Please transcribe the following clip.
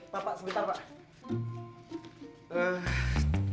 bapak sebentar pak